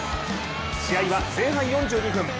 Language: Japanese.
試合は前半４２分